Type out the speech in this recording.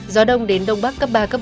gió đông đến đông bắc cấp ba cấp bốn